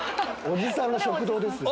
おじさんの食堂ですよ。